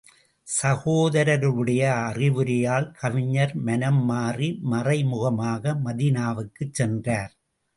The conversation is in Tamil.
சகோதரருடைய அறிவுரையால் கவிஞர் மனம் மாறி, மறைமுகமாக மதீனாவுக்குச் சென்றார்.